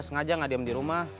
sengaja gak diem di rumah